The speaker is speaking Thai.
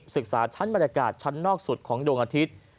ชั้นบรรยากาศชั้นนอกสุดของดวงอาทิตย์